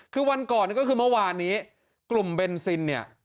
คือวันก่อนก็คือเมื่อวานนี้กลุ่มเบนซินเนี่ย